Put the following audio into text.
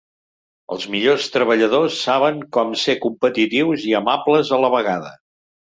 Els millors treballadors saben com ser competitius i amables a la vegada.